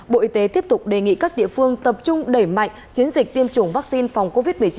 bộ y tế tiếp tục đề nghị các địa phương tập trung đẩy mạnh chiến dịch tiêm chủng vaccine phòng covid một mươi chín